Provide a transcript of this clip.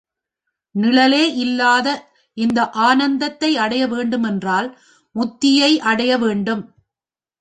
நிழலே இல்லாத இந்த ஆனந்தத்தை அடைய வேண்டுமென்றால் முத்தியை அடைய வேண்டும்.